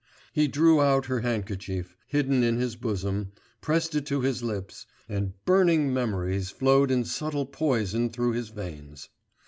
He drew out her handkerchief, hidden in his bosom, pressed it to his lips, and burning memories flowed in subtle poison through his veins.